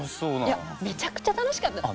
いやめちゃくちゃ楽しかった。